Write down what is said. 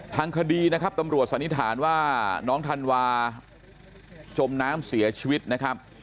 ทางคดีนะครับตำรวจสันนิษฐานว่าน้องธันวาจมน้ำเสียชีวิตนะครับ